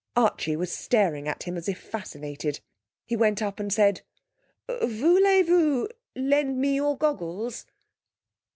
Archie was staring at him as if fascinated. He went up and said: 'Voulez vous lend me your goggles?'